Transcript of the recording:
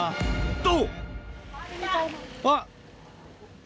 と！